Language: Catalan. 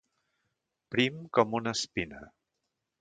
Prim com una espina.